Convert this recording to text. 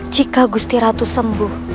jika gusti ratu sembuh